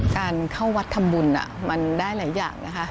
การเข้าวัดทำบุญมันได้หลายอย่างนะคะ